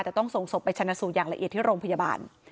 แต่ต้องส่งศพไปชนะสูตรอย่างละเอียดที่โรงพยาบาล